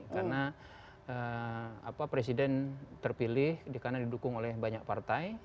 karena presiden terpilih karena didukung oleh banyak partai